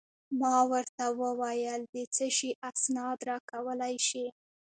ما ورته وویل: د څه شي اسناد راکولای شې؟